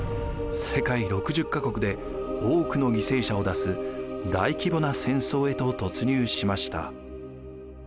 世界６０か国で多くの犠牲者を出す大規模な戦争へと突入しました。